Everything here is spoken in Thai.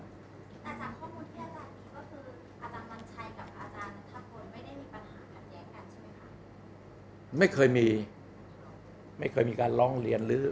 อาจารย์ข้อมูลที่อาจารย์